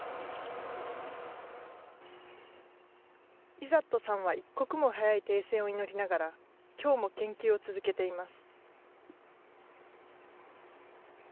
イザットさんは一刻も早い停戦を祈りながら、きょうも研究を続けています。